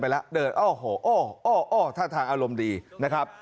แล้วเดินโอ้โหอ้อท่าทางอารมณ์ดีนะครับ